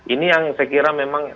ini yang saya kira memang